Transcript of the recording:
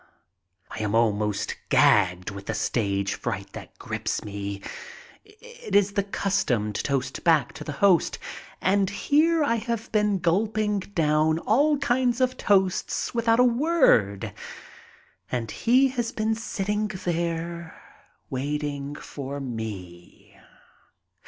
I am almost gagged with the stage fright that grips me. If is the custom to toast back to the host and here I have been gulping down all kinds of toasts without a word. And he had been sitting there waiting for me.